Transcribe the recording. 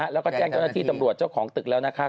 แล้วก็แจ้งเจ้าหน้าที่ตำรวจเจ้าของตึกแล้วนะคะ